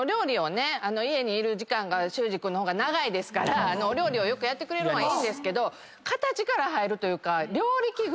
家にいる時間が修士君の方が長いですからお料理をよくやってくれるんはいいんですけど。